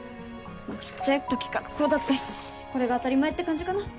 ちっちゃいときからこうだったしこれが当たり前って感じかな。